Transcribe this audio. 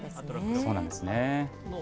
そうなんですね。